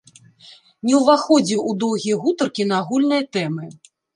Не ўваходзіў у доўгія гутаркі на агульныя тэмы.